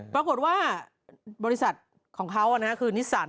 ปรากฏว่าบริษัทของเขาคือนิสสัน